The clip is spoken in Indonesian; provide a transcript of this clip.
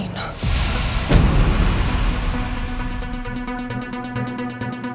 elsa nih baru saja sadar